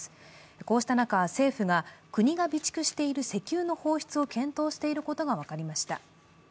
こうした中、政府が国が備蓄している石油の放出を検討していることが分かりました。